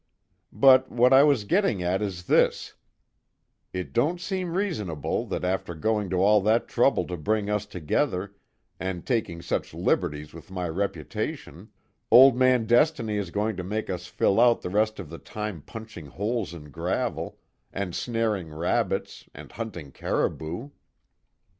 But what I was getting at is this: it don't seem reasonable that after going to all that trouble to bring us together, and taking such liberties with my reputation, Old Man Destiny is going to make us fill out the rest of the time punching holes in gravel, and snaring rabbits, and hunting caribou."